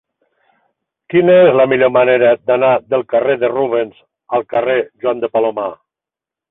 Quina és la millor manera d'anar del carrer de Rubens al carrer de Joan de Palomar?